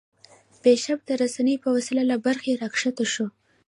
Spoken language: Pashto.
بیشپ د رسۍ په وسیله له برجه راکښته شو.